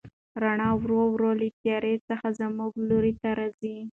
رڼا ورو ورو له تیارې څخه زموږ لوري ته راځي.